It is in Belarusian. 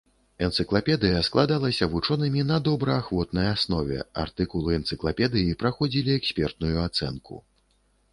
Энцыклапедыя складалася вучонымі на добраахвотнай аснове, артыкулы энцыклапедыі праходзілі экспертную ацэнку.